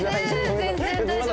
全然大丈夫。